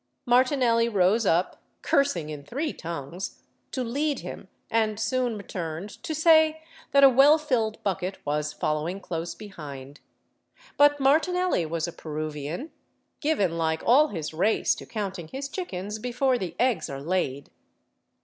Martinelli rose up, cursing in three tongues, to lead him, and soon returned to say that a well filled bucket was following close behind. But Martinelli was a Peruvian, given like all his race to counting his chickens before the eggs are laid.